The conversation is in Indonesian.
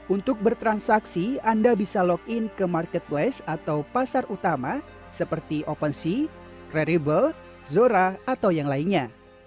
untuk bertransaksi anda bisa login ke marketplace atau pasar utama seperti open sea kredible zora atau yang lainnya